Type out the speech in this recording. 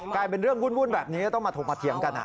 กลายเป็นเรื่องวุ่นแบบนี้ต้องมาถกมาเถียงกัน